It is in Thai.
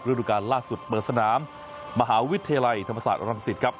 เรื่องดูการล่าสุดเบอร์สนามมหาวิทยาลัยธรรมศาสตร์อลังศิษย์ครับ